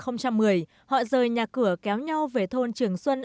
năm hai nghìn một mươi họ rời nhà cửa kéo nhau về thôn trường xuân